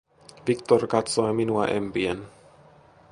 Victor katsoi minua empien.